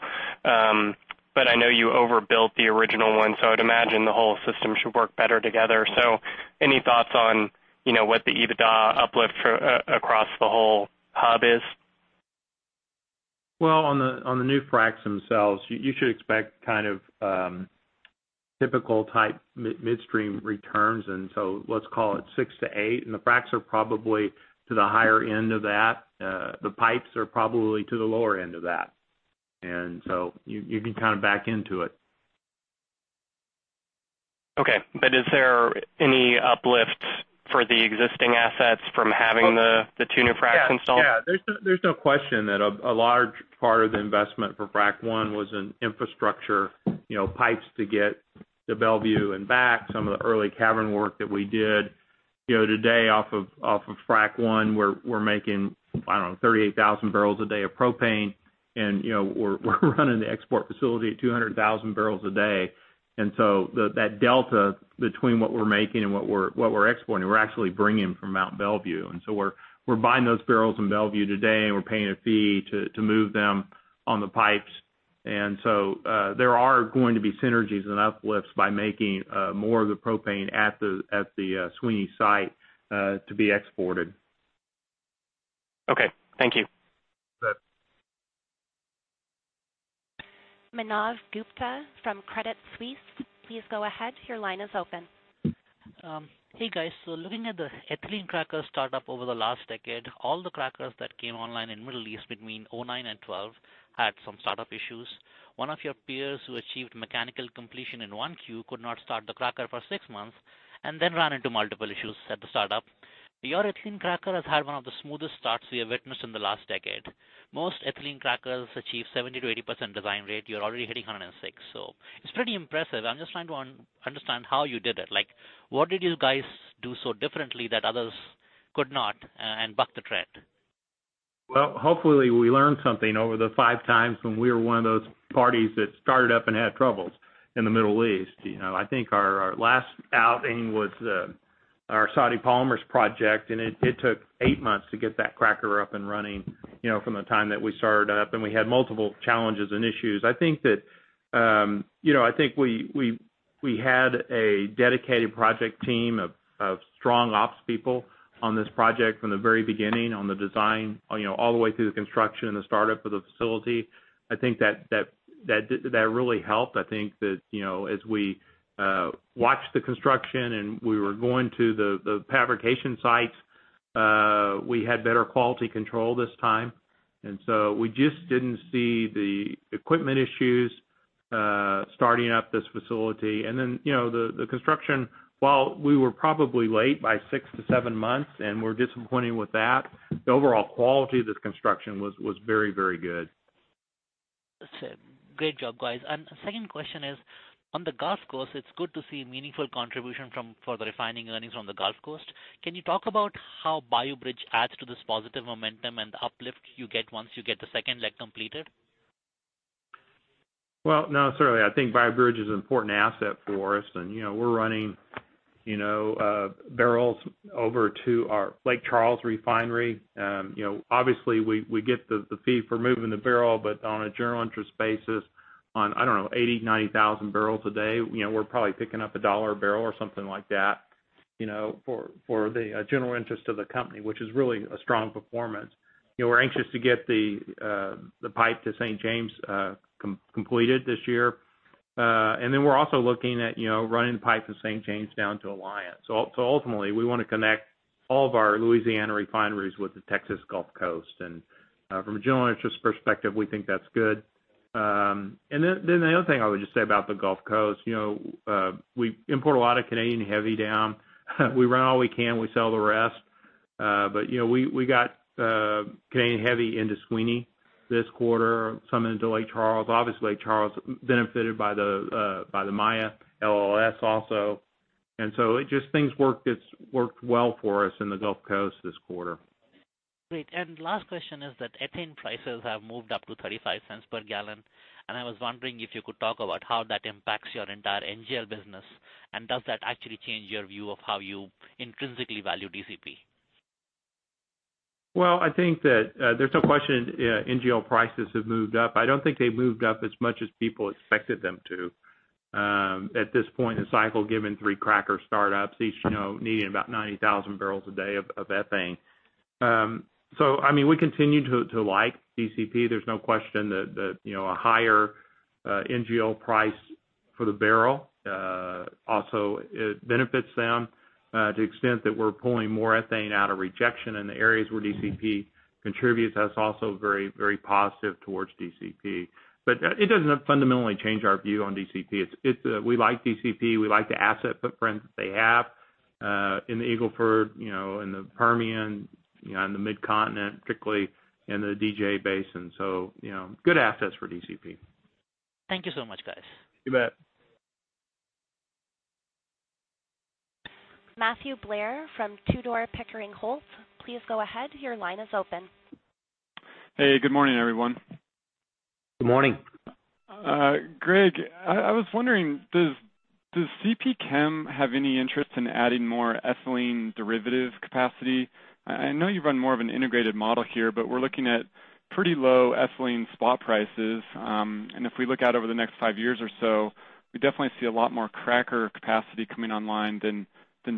I know you overbuilt the original one, so I'd imagine the whole system should work better together. Any thoughts on what the EBITDA uplift for across the whole hub is? Well, on the new fracs themselves, you should expect kind of typical type midstream returns, so let's call it six to eight, and the fracs are probably to the higher end of that. The pipes are probably to the lower end of that. You can kind of back into it. Okay. Is there any uplift for the existing assets from having the two new fracs installed? Yeah. There's no question that a large part of the investment for Frac One was in infrastructure pipes to get to Mont Belvieu and back some of the early cavern work that we did. Today off of Frac One, we're making, I don't know, 38,000 barrels a day of propane, and we're running the export facility at 200,000 barrels a day. That delta between what we're making and what we're exporting, we're actually bringing from Mont Belvieu. We're buying those barrels in Mont Belvieu today, and we're paying a fee to move them on the pipes. There are going to be synergies and uplifts by making more of the propane at the Sweeney site to be exported. Okay. Thank you. You bet. Manav Gupta from Credit Suisse. Please go ahead. Your line is open. Hey, guys. Looking at the ethylene cracker startup over the last decade, all the crackers that came online in Middle East between 2009 and 2012 had some startup issues. One of your peers who achieved mechanical completion in one queue could not start the cracker for 6 months and then ran into multiple issues at the startup. Your ethylene cracker has had one of the smoothest starts we have witnessed in the last decade. Most ethylene crackers achieve 70%-80% design rate. You're already hitting 106%. It's pretty impressive. I'm just trying to understand how you did it. What did you guys do so differently that others could not and buck the trend? Well, hopefully, we learned something over the five times when we were one of those parties that started up and had troubles in the Middle East. I think our last outing was our Saudi Polymers project. It took 8 months to get that cracker up and running from the time that we started up. We had multiple challenges and issues. I think we had a dedicated project team of strong ops people on this project from the very beginning on the design, all the way through the construction and the startup of the facility. I think that really helped. I think that as we watched the construction and we were going to the fabrication sites, we had better quality control this time. We just didn't see the equipment issues starting up this facility. The construction, while we were probably late by 6 to 7 months and we're disappointed with that, the overall quality of this construction was very good. That's it. Great job, guys. Second question is, on the Gulf Coast, it's good to see meaningful contribution for the refining earnings from the Gulf Coast. Can you talk about how Bayou Bridge adds to this positive momentum and the uplift you get once you get the second leg completed? Well, no, certainly, I think Bayou Bridge is an important asset for us, and we're running barrels over to our Lake Charles refinery. Obviously, we get the fee for moving the barrel, but on a general interest basis on, I don't know, 80,000, 90,000 barrels a day. We're probably picking up $1 a barrel or something like that for the general interest of the company, which is really a strong performance. We're anxious to get the pipe to St. James completed this year. We're also looking at running pipe to St. James down to Alliance. Ultimately, we want to connect all of our Louisiana refineries with the Texas Gulf Coast. From a general interest perspective, we think that's good. The other thing I would just say about the Gulf Coast, we import a lot of Canadian heavy down. We run all we can, we sell the rest. We got Canadian heavy into Sweeney this quarter, some into Lake Charles. Obviously, Lake Charles benefited by the Maya LLS also. Just things worked well for us in the Gulf Coast this quarter. Great. Last question is that ethane prices have moved up to $0.35 per gallon. I was wondering if you could talk about how that impacts your entire NGL business. Does that actually change your view of how you intrinsically value DCP? Well, I think that there's no question NGL prices have moved up. I don't think they've moved up as much as people expected them to at this point in the cycle, given three cracker startups, each needing about 90,000 barrels a day of ethane. We continue to like DCP. There's no question that a higher NGL price for the barrel also benefits them to the extent that we're pulling more ethane out of rejection in the areas where DCP contributes. That's also very positive towards DCP. It doesn't fundamentally change our view on DCP. We like DCP. We like the asset footprint that they have in the Eagle Ford, in the Permian, in the Mid-Continent, particularly in the DJ basin. Good assets for DCP. Thank you so much, guys. You bet. Matthew Blair from Tudor, Pickering Holt, please go ahead. Your line is open. Hey, good morning, everyone. Good morning. Greg, I was wondering, does CPChem have any interest in adding more ethylene derivative capacity? I know you run more of an integrated model here, but we're looking at pretty low ethylene spot prices. If we look out over the next five years or so, we definitely see a lot more cracker capacity coming online than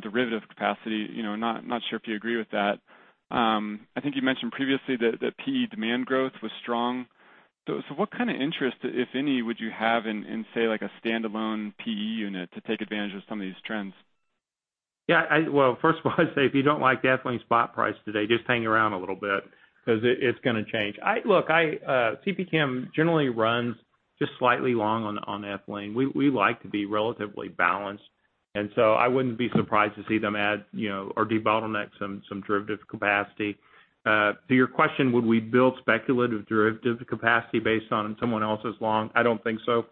derivative capacity. Not sure if you agree with that. I think you mentioned previously that PE demand growth was strong. What kind of interest, if any, would you have in, say, like, a standalone PE unit to take advantage of some of these trends? Yeah. Well, first of all, I'd say if you don't like the ethylene spot price today, just hang around a little bit because it's going to change. Look, CPChem generally runs just slightly long on ethylene. We like to be relatively balanced, I wouldn't be surprised to see them add or debottleneck some derivative capacity. To your question, would we build speculative derivative capacity based on someone else's long? I don't think so.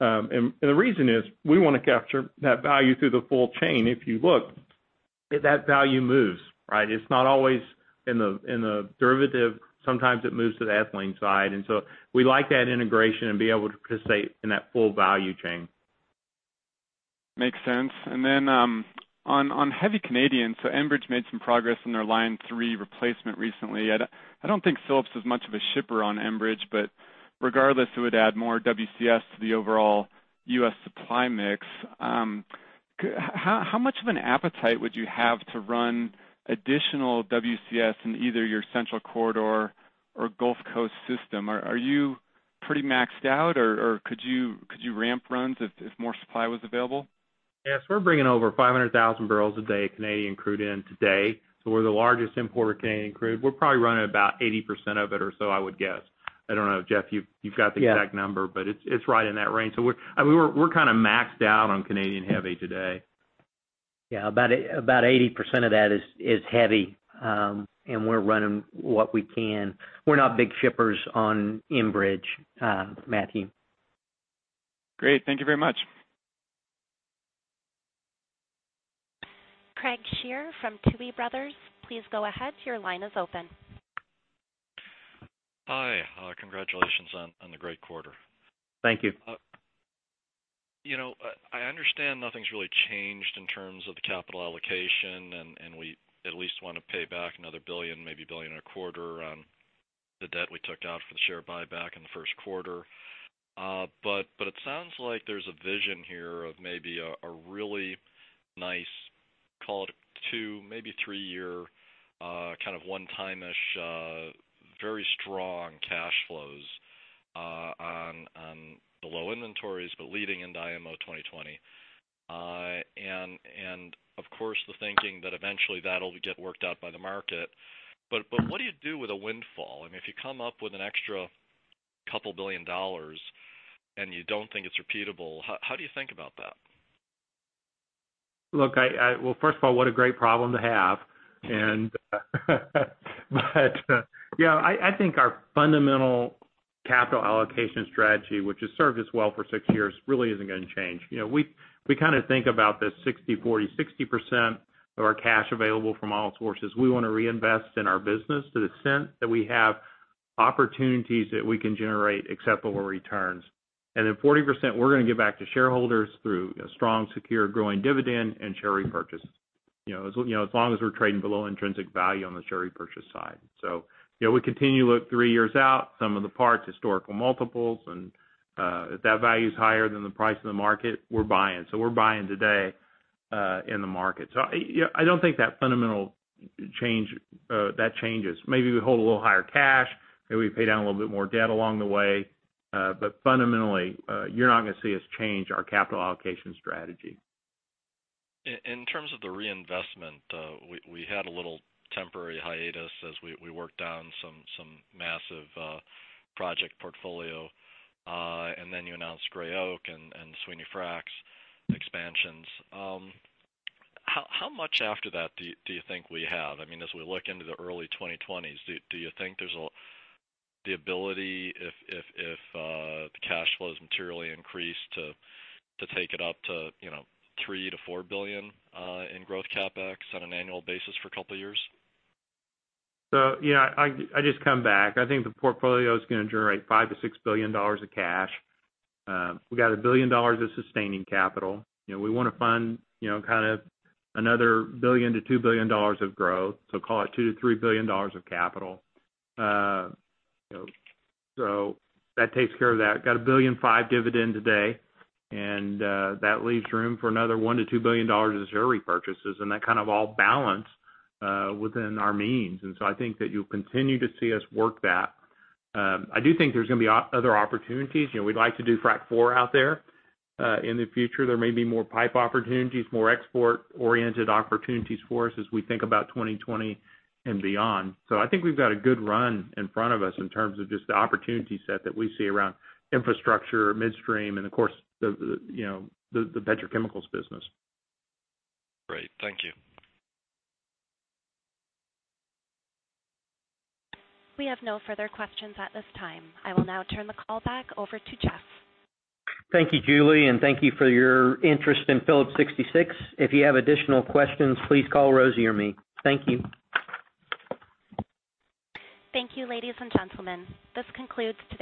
The reason is, we want to capture that value through the full chain. If you look, that value moves, right? It's not always in the derivative. Sometimes it moves to the ethylene side. We like to add integration and be able to participate in that full value chain. Makes sense. On heavy Canadian, Enbridge made some progress in their Line 3 replacement recently. I don't think Phillips is much of a shipper on Enbridge, but regardless, it would add more WCS to the overall U.S. supply mix. How much of an appetite would you have to run additional WCS in either your central corridor or Gulf Coast system? Are you pretty maxed out, or could you ramp runs if more supply was available? Yes. We're bringing over 500,000 barrels a day of Canadian crude in today. We're the largest importer of Canadian crude. We're probably running about 80% of it or so, I would guess. I don't know, Jeff, you've got the exact number. Yeah It's right in that range. We're kind of maxed out on Canadian heavy today. Yeah, about 80% of that is heavy. We're running what we can. We're not big shippers on Enbridge, Matthew. Great. Thank you very much. Craig Shere from Tuohy Brothers, please go ahead. Your line is open. Hi. Congratulations on the great quarter. Thank you. I understand nothing's really changed in terms of the capital allocation. We at least want to pay back another $1 billion, maybe $ billion and a quarter on the debt we took out for the share buyback in the first quarter. It sounds like there's a vision here of maybe a really nice, call it a two, maybe three-year, kind of one-time-ish, very strong cashflows. The low inventories, but leading into IMO 2020. Of course, the thinking that eventually that'll get worked out by the market. What do you do with a windfall? If you come up with an extra couple billion dollars and you don't think it's repeatable, how do you think about that? Well, first of all, what a great problem to have. Yeah, I think our fundamental capital allocation strategy, which has served us well for 6 years, really isn't going to change. We think about this 60/40, 60% of our cash available from all sources, we want to reinvest in our business to the extent that we have opportunities that we can generate acceptable returns. 40%, we're going to give back to shareholders through a strong, secure, growing dividend and share repurchase, as long as we're trading below intrinsic value on the share purchase side. We continue to look 3 years out, some of the parts, historical multiples, and if that value's higher than the price of the market, we're buying. We're buying today, in the market. I don't think that changes. Maybe we hold a little higher cash, maybe we pay down a little bit more debt along the way. Fundamentally, you're not going to see us change our capital allocation strategy. In terms of the reinvestment, we had a little temporary hiatus as we worked down some massive project portfolio. You announced Gray Oak and Sweeney Fracs expansions. How much after that do you think we have? As we look into the early 2020s, do you think there's the ability, if the cash flow is materially increased, to take it up to $3 billion-$4 billion in growth CapEx on an annual basis for a couple of years? Yeah. I just come back. I think the portfolio's going to generate $5 billion-$6 billion of cash. We got $1 billion of sustaining capital. We want to fund another $1 billion-$2 billion of growth, so call it $2 billion-$3 billion of capital. That takes care of that. Got a $1.5 billion dividend today, that leaves room for another $1 billion-$2 billion of share repurchases, and that kind of all balance within our means. I think that you'll continue to see us work that. I do think there's going to be other opportunities. We'd like to do Frac 4 out there. In the future, there may be more pipe opportunities, more export-oriented opportunities for us as we think about 2020 and beyond. I think we've got a good run in front of us in terms of just the opportunity set that we see around infrastructure, midstream, and of course, the petrochemicals business. Great. Thank you. We have no further questions at this time. I will now turn the call back over to Jeff. Thank you, Julie, and thank you for your interest in Phillips 66. If you have additional questions, please call Rosy or me. Thank you. Thank you, ladies and gentlemen. This concludes today.